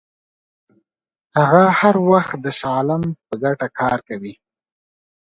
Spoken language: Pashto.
هغه هر وخت د شاه عالم په ګټه کار کوي.